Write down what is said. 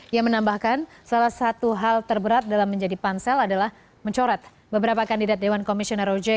ia menambahkan salah satu hal terberat dalam menjadi pansel adalah mencoret beberapa kandidat dewan komisioner ojk